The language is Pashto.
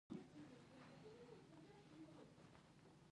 د سهار نسیم خړه خوشبويي لري